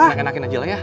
enak enakin aja lah ya